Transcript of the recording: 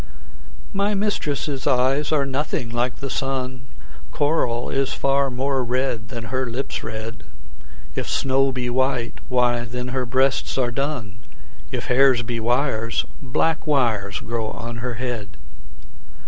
MY mistress' eyes are nothing like the sun; Coral is far more red than her lips' red; If snow be white, why then her breasts are dun; If hairs be wires, black wires grow on her head.